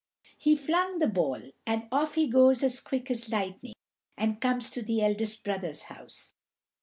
He flung the ball, and off he goes as quick as lightning, and comes to the eldest brother's house.